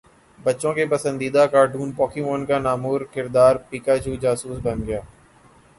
بچوں کے پسندیدہ کارٹون پوکیمون کا نامور کردار پکاچو جاسوس بن گیا